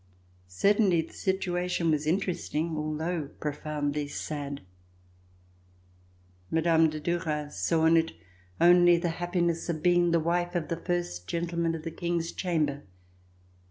Certainly the situation was interesting, although profoundly sad. Mme. de Duras saw in it only the happiness of being the wife of the First Gentleman of the King's Chamber.